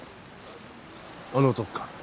あの男か。